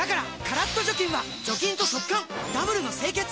カラッと除菌は除菌と速乾ダブルの清潔！